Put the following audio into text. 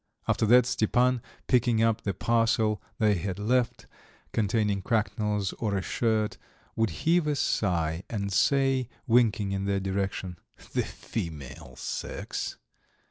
After that Stepan, picking up the parcel they had left, containing cracknels or a shirt, would heave a sigh and say, winking in their direction: "The female sex!"